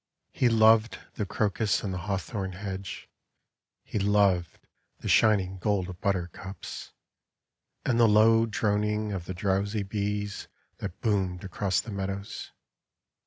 He loved the crocus and the hawthorn hedge. He loved the shining gold of buttercups. And the low droning of the drowsy bees That boomed across the meadows.